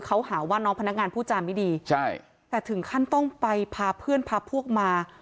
เขาหาว่าน้องพนักงานพูดจาไม่ดีใช่แต่ถึงขั้นต้องไปพาเพื่อนพาพวกมา